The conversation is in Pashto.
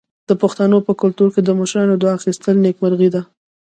د پښتنو په کلتور کې د مشرانو دعا اخیستل نیکمرغي ده.